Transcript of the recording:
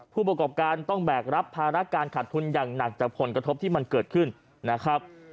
ผู้ประกอบการต้องแบกรับภาระการขาดทุนอย่างหนักจากผลกระทบที่มันเกิดขึ้นนะครับ